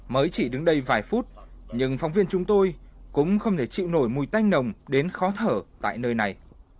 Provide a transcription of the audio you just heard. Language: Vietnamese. mới chỉ đứng đây vài phút nhưng phóng viên chúng tôi cũng không thể chịu nổi mùi tanh nồng đến khó thở tại nơi này